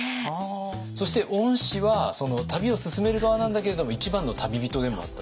そして御師は旅を勧める側なんだけれども一番の旅人でもあった。